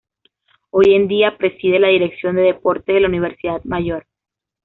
Hoy en día preside la dirección de deportes de la Universidad Mayor.